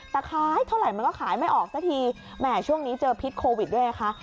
แต่ขายเท่าไหร่มันก็ขายไม่ออกซะทีแหม่ช่วงนี้เจอพิษโควิดด้วยไงคะ